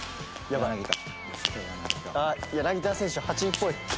柳田選手８っぽい。